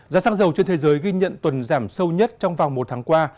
giá xăng dầu trên thế giới ghi nhận tuần giảm sâu nhất trong vòng một tháng qua